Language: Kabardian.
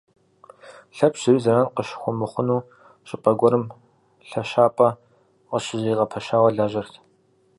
Лъэпщ зыри зэран къыщыхуэмыхъуну щӏыпӏэ гуэрым лъэщапӏэ къыщызэригъэпэщауэ лажьэрт.